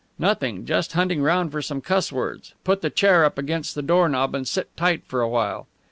"Nothing. Just hunting round for some cuss words. Put the chair up against the door knob and sit tight for a while."